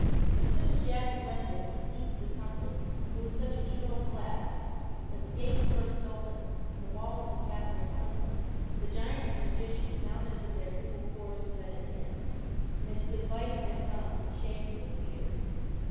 As soon as Jack had read this he seized the trumpet, and blew such a shrill blast, that the gates burst open, and the walls of the castle trembled. The giant and magician now knew that their evil course was at an end, and they stood biting their thumbs and shaking with fear.